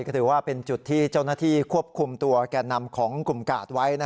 ก็ถือว่าเป็นจุดที่เจ้าหน้าที่ควบคุมตัวแก่นำของกลุ่มกาดไว้